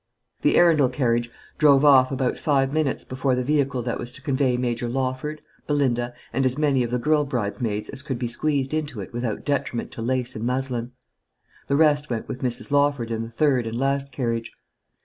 The Arundel carriage drove off about five minutes before the vehicle that was to convey Major Lawford, Belinda, and as many of the girl bridesmaids as could be squeezed into it without detriment to lace and muslin. The rest went with Mrs. Lawford in the third and last carriage.